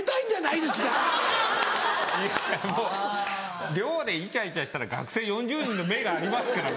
いやもう寮でイチャイチャしたら学生４０人の目がありますから。